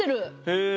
へえ。